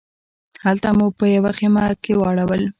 هلته مو په یوه خیمه کې واړول.